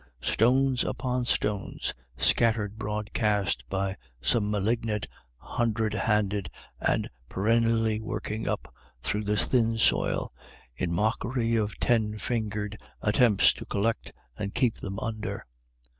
Stones upon stones, scattered broadcast by some malignant Hundred handed, and peren nially working up through the thin soil, in mockery of ten fingered attempts to collect and keep them under.